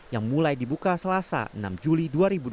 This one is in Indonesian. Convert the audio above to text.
yang mulai dibuka selasa enam juli dua ribu dua puluh